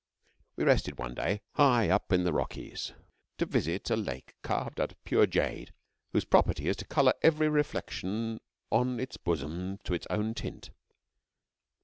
We rested one day high up in the Rockies, to visit a lake carved out of pure jade, whose property is to colour every reflection on its bosom to its own tint.